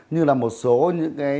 như là một số những cái